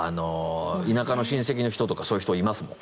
田舎の親戚の人とかそういう人いますもん。